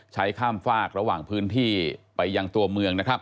ใช้ข้ามฟากระหว่างพื้นที่ไปยังตัวเมือง